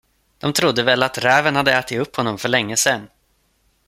De trodde väl, att räven hade ätit upp honom för länge sedan.